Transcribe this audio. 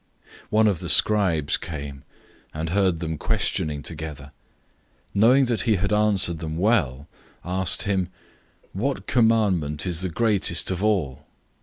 012:028 One of the scribes came, and heard them questioning together. Knowing that he had answered them well, asked him, "Which commandment is the greatest of all?"